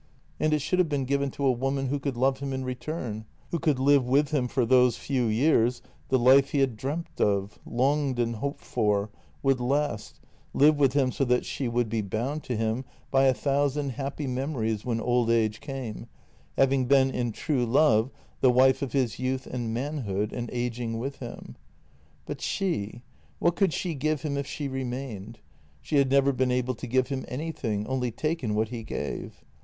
And it should have been given to a woman who could love him in return, who could live with him for those few years the life he had dreamt of, longed and hoped for, would last —■ live with him so that she would be bound to him by a thousand happy memories when old age came, having been in true love the wife of his youth and manhood, and ageing with him. But she — what could she give him if she remained? She had never been able to give him anything, only taken what he gave.